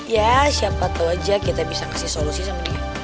ya siapa tau aja kita bisa kasih solusi sama dia